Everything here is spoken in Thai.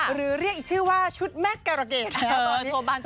หรือเรียกอีกชื่อว่าชุดแม็กการะเดช